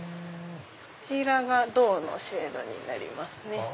こちらが銅のシェードになります。